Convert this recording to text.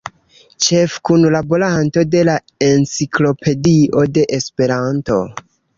Ĉefkunlaboranto de la Enciklopedio de Esperanto.